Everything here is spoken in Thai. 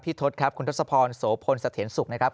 ทศครับคุณทศพรโสพลสะเทียนสุขนะครับ